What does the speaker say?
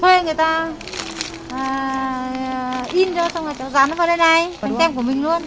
thuê người ta in cho xong là cháu dán nó vào đây này bánh tem của mình luôn